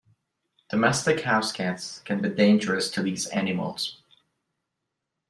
Domestic house cats can be dangerous to these animals.